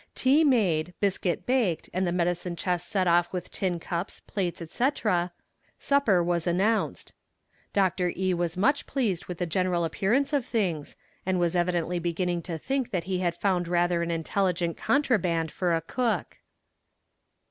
Tea made, biscuit baked, and the medicine chest set off with tin cups, plates, etc., supper was announced. Dr. E. was much pleased with the general appearance of things, and was evidently beginning to think that he had found rather an intelligent contraband for a cook.